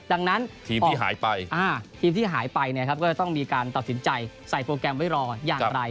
ทีมที่หายไปก็จะต้องมีการตัดสินใจใส่โปรแกรมไว้รออย่างไร